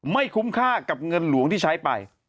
คุ้มค่ากับเงินหลวงที่ใช้ไป